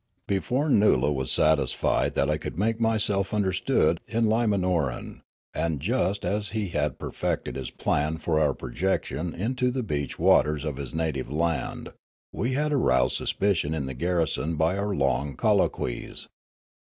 , Before Noola was satisfied that I could make myself understood in Limanoran, and just as he had perfected his plan for our projection into the beach waters of his native land, we had aroused suspicion in the garrison by our long colloquies.